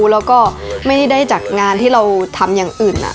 แล้วก็ไม่ได้ได้จากงานที่เราทำอย่างอื่น